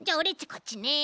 こっちね。